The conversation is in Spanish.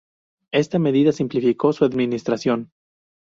Esta medida simplificó su administración.